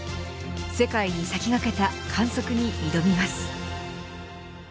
世界に先駆けた観測に挑みます。